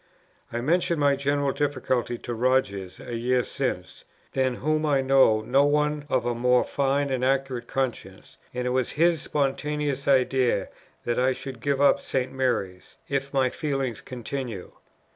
I mentioned my general difficulty to Rogers a year since, than whom I know no one of a more fine and accurate conscience, and it was his spontaneous idea that I should give up St. Mary's, if my feelings continued.